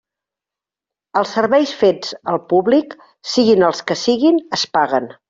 Els serveis fets al públic, siguin els que siguin, es paguen.